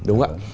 đúng không ạ